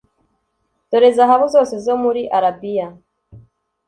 dore zahabu zose zo muri arabiya!